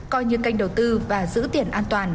coi như kênh đầu tư và giữ tiền an toàn